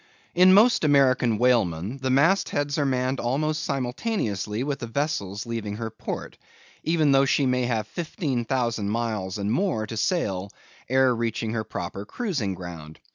In most American whalemen the mast heads are manned almost simultaneously with the vessel's leaving her port; even though she may have fifteen thousand miles, and more, to sail ere reaching her proper cruising ground.